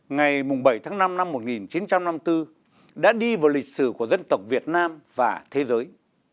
ngày bảy tháng năm năm một nghìn chín trăm năm mươi bốn đã đi vào lịch sử của dân tộc việt nam và thế giới